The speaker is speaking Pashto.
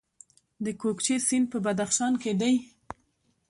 د کوکچې سیند په بدخشان کې دی